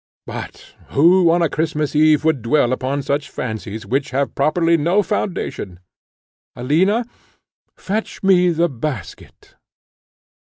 But who, on a Christmas Eve, would dwell upon such fancies, which have properly no foundation? Alina, fetch me the basket."